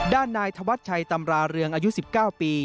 ด้านนายธวัชชัยตำราเรืองอายุ๑๙ปี